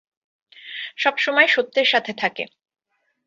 সবসময় সত্যের সাথে থাকে।